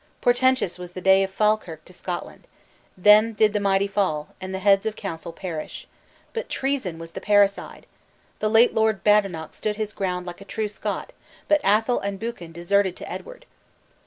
Portentous was the day of Falkirk to Scotland. Then did the mighty fall, and the heads of counsel perish. But treason was the parricide! The late Lord Badenoch stood his ground like a true Scot; but Athol and Buchan deserted to Edward."